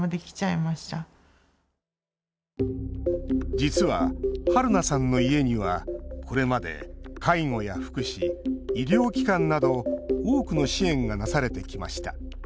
実は、はるなさんの家にはこれまで介護や福祉医療機関など多くの支援がなされてきました。